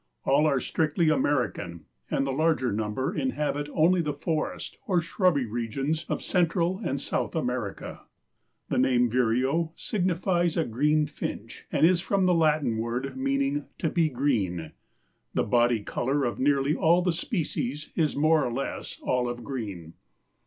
All are strictly American and the larger number inhabit only the forest or shrubby regions of Central and South America. The name vireo signifies a green finch and is from the Latin word meaning "to be green." The body color of nearly all the species is more or less olive green.